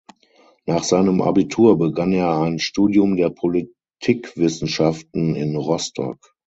Nach seinem Abitur begann er ein Studium der Politikwissenschaften in Rostock.